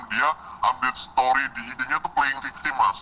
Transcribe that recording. dia update story di idinya itu playing victim mas